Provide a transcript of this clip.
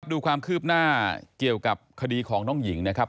ดูความคืบหน้าเกี่ยวกับคดีของน้องหญิงนะครับ